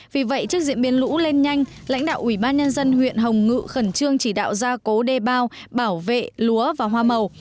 vì vậy trước diễn biến lũ lên nhanh lãnh đạo ủy ban nhân dân huyện hồng ngự khẩn trương chỉ đạo gia cố đê bao bảo vệ lúa và hoa màu